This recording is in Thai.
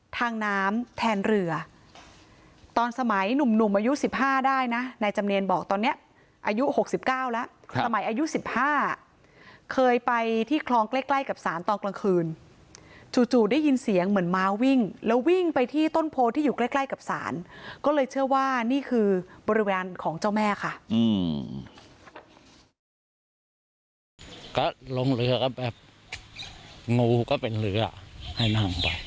ทางน้ำแทนเรือตอนสมัยหนุ่มอายุสิบห้าได้นะนายจำเนียนบอกตอนเนี้ยอายุหกสิบเก้าแล้วสมัยอายุสิบห้าเคยไปที่คลองใกล้กับศาลตอนกลางคืนจู่ได้ยินเสียงเหมือนม้าวิ่งแล้ววิ่งไปที่ต้นโพธิอยู่ใกล้กับศาลก็เลยเชื่อว่านี่คือบริวารของเจ้าแม่ค่ะอืมก็ลงเรือก็แบบงูก็เป็นเรือให้นั่